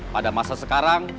pada masa sekarang